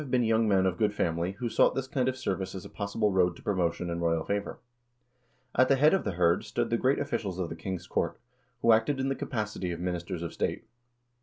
Ebbe Hertz 260 HISTORY OF THE NORWEGIAN PEOPLE young men of good family, who sought this kind of service as a possible road to promotion and royal favor. At the head of the hird stood the great officials of the king's court, who acted in the capacity of ministers of state.